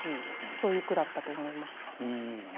そういう句だったと思います。